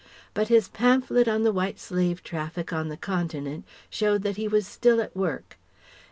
But his pamphlet on the White Slave Traffic on the Continent showed that he was still at work.